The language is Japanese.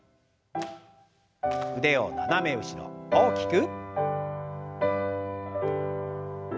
腕を斜め後ろ大きく。